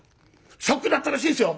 ショックだったらしいですよ。